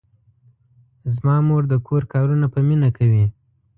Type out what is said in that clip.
زما مور د کور کارونه په مینه کوي.